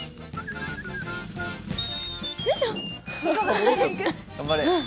頑張れ。